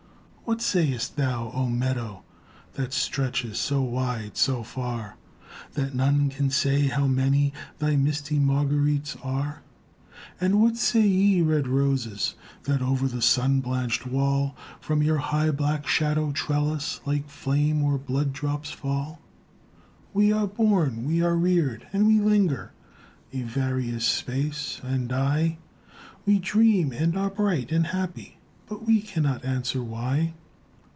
What sayest thou, Oh meadow, That stretches so wide, so far, That none can say how many Thy misty marguerites are? And what say ye, red roses, That o'er the sun blanched wall From your high black shadowed trellis Like flame or blood drops fall? "We are born, we are reared, and we linger A various space and die; We dream, and are bright and happy, But we cannot answer why."